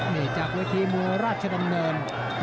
นี่จากเวทีมวยราชดำเนิน